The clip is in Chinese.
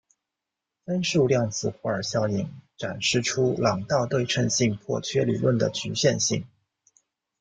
分数量子霍尔效应展示出朗道对称性破缺理论的局限性。